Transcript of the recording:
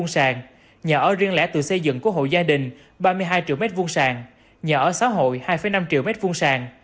m hai sàn nhà ở riêng lẻ tự xây dựng của hộ gia đình ba mươi hai triệu m hai sàn nhà ở xã hội hai năm triệu m hai sàn